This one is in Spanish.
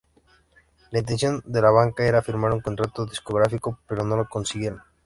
La intención de la banda era firmar un contrato discográfico, pero no lo consiguieron.